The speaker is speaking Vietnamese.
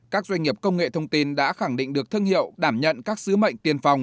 các doanh nghiệp công nghệ thông tin đã khẳng định được thương hiệu đảm nhận các sứ mệnh tiên phòng